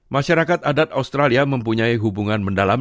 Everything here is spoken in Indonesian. masyarakat adat australia mempunyai hubungan mendalam